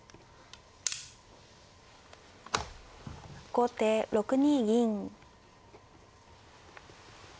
後手６二銀。